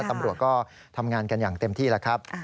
ตำรวจก็ทำงานกันอย่างเต็มที่แล้วครับ